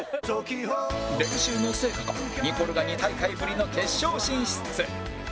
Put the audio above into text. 練習の成果かニコルが２大会ぶりの決勝進出